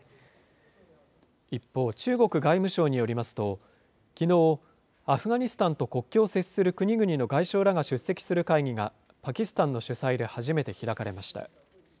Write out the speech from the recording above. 一方、中国外務省によりますと、きのう、アフガニスタンと国境を接する国々の外相らが出席する会議が、パキスタンの主催で初めて開かれました。